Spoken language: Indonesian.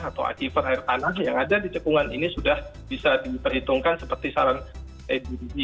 atau akiver air tanah yang ada di cekungan ini sudah bisa diperhitungkan seperti saran edb